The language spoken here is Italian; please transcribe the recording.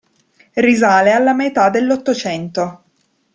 Risale alla metà dell'Ottocento.